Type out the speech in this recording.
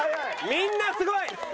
みんなすごい！